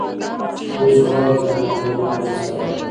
اوس غواړو چې دا موضوع نوره هم ساده کړو